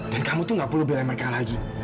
dan kamu tuh gak perlu bilang mereka lagi